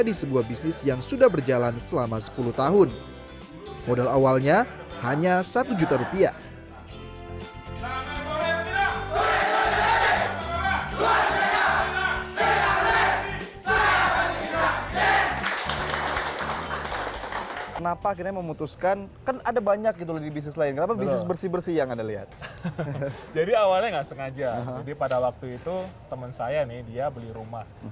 jadi pada waktu itu teman saya nih dia beli rumah